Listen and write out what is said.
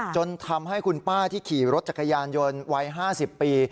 จนทำให้คุณป้าที่ขี่รถจักรยานยนต์วัย๕๐ปี